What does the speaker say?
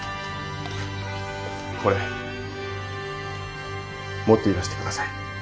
これ持っていらして下さい。